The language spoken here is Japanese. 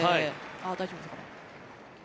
大丈夫ですかね？